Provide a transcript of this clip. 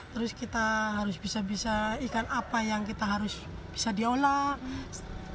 terus kita harus bisa bisa ikan apa yang kita harus bisa diolah